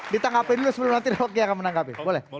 ditangkapin dulu sebelum nanti roky akan menangkapin boleh